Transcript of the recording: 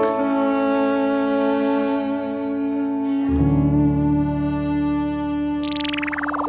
udah kamu serat jualnya